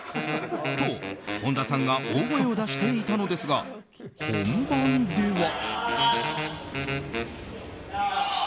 と、本多さんが大声を出していたのですが本番では。